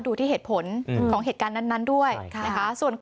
ดูที่เหตุผลของเหตุการณ์นั้นด้วยนะคะ